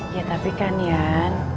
ya tapi kan yan